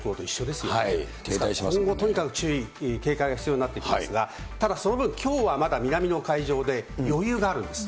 ですから今後とにかく注意、警戒が必要になってきますが、ただ、その分、きょうはまだ南の海上で余裕があるんです。